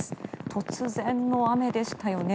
突然の雨でしたよね。